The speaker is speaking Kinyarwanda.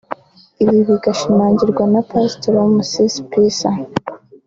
Ibi bigashimangirwa na Pasitori Musisi Peace